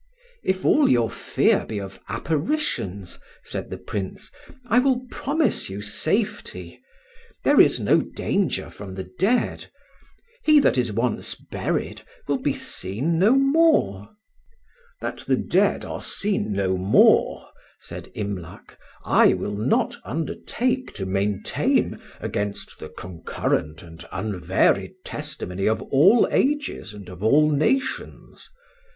"If all your fear be of apparitions," said the Prince, "I will promise you safety. There is no danger from the dead: he that is once buried will be seen no more." "That the dead are seen no more," said Imlac, "I will not undertake to maintain against the concurrent and unvaried testimony of all ages and of all nations.